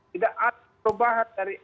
tidak ada perubahan dari